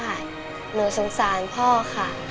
หนูสงสารพ่อค่ะ